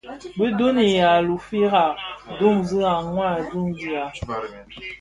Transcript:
Bi duň yi a lufira, duñzi a mwadingusha,